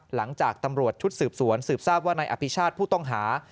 หลังจากตำรวจชุดสืบสวนสืบทราบว่านายอภิชาติผู้ต้องหา